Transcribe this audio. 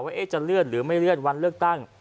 ว่าจะเลื่อนหรือไม่เลื่อนวันเลือกตั้ง